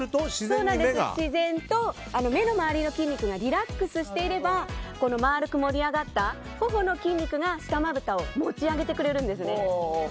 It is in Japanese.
目の周りの筋肉がリラックスしていれば丸く盛り上がった頬の筋肉が下まぶたを持ち上げてくれるんです。